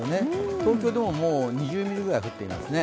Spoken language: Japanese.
東京でももう２０ミリぐらい降ってますね。